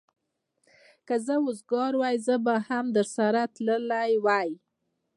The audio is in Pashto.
که زه وزګار وای، زه به هم درسره تللی وای.